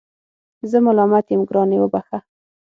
زه ملامت یم ګرانې وبخښه